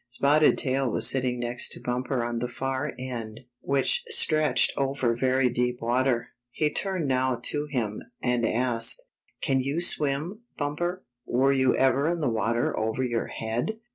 Spotted Tail was sitting next to Bumper on the far end which stretched over very deep water. He turned now to him, and asked: "Can you swim. Bumper? Were you ever in the water over your head?